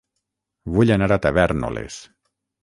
Vull anar a Tavèrnoles